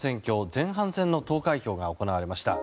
前半戦の投開票が行われました。